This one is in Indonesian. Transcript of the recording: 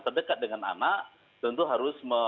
terdekat dengan anak tentu harus